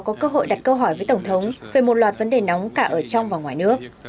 có cơ hội đặt câu hỏi với tổng thống về một loạt vấn đề nóng cả ở trong và ngoài nước